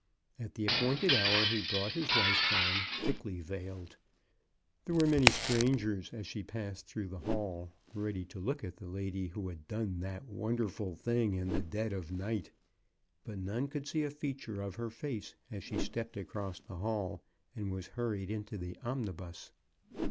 At the appointed hour he brought his wife down, thickly veiled. There were many stran gers, as she passed through the hall, ready to look at the lady who had done that wonderful thing in the dead of night, but none could see a feature of her face as she stepped across the hall and was hurried into the omnibus.